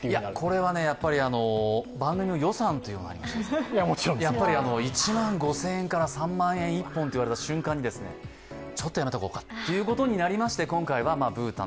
これは番組の予算というものもありまして、１万５０００円から３万円、１本と言われたときに、ちょっとやめておこうかということになりまして今回はブータン。